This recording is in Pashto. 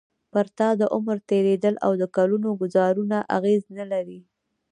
پر تا د عمر تېرېدل او د کلونو ګوزارونه اغېز نه لري.